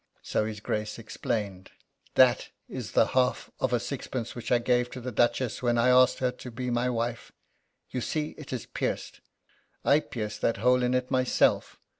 So his Grace explained: "That is the half of a sixpence which I gave to the Duchess when I asked her to be my wife. You see it is pierced. I pierced that hole in it myself.